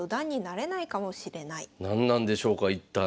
何なんでしょうか一体。